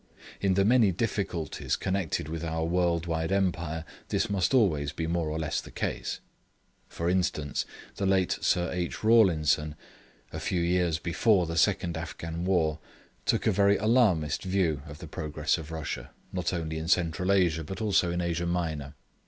In the many difficulties connected with our world wide Empire this must always be more or less the case. For instance, the late Sir H. Rawlinson, a few years before the second Afghan war, took a very alarmist view of the progress of Russia, not only in Central Asia but also in Asia Minor.